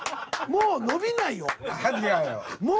もう伸びないのよ。